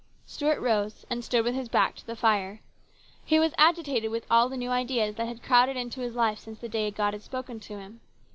Stuart rose and stood with his back to the fire. He was agitated with all the new ideas that had crowded into his life since the day God had spoken to him.